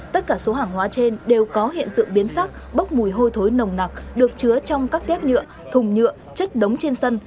tất cả số hàng hóa trên đều có hiện tượng biến sắc bốc mùi hôi thối nồng nặc được chứa trong các tét nhựa thùng nhựa chất đống trên sân